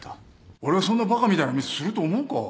俺がそんなバカみたいなミスすると思うか？